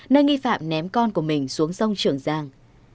nơi nghi phạm ném con của mình xuống sông trường giang